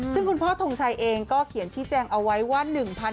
ซึ่งคุณพ่อทงชัยเองก็เขียนชี้แจงเอาไว้ว่า